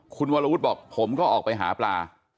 คุณวรวุฒิบอกผมก็ออกไปหาปลา